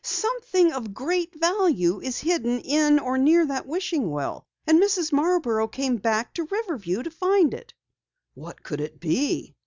Something of great value is hidden in or near the wishing well, and Mrs. Marborough came back to Riverview to find it!" "What could it be?"